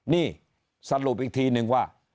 นี่สรุปอีกทีนึงว่า